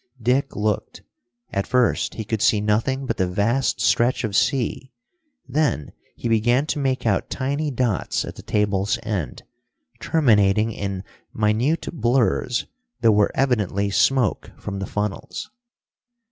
Dick looked. At first he could see nothing but the vast stretch of sea; then he began to make out tiny dots at the table's end, terminating in minute blurs that were evidently smoke from the funnels.